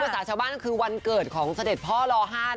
คุณพศาชาวบ้านมันคือวันเกิดของเสด็จพ่อร๕